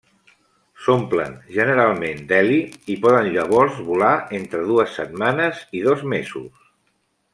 S'omplen generalment d'heli i poden llavors volar entra dues setmanes i dos mesos.